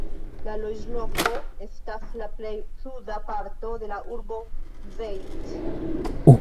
La loĝloko estas la plej suda parto de la urbo Zeitz.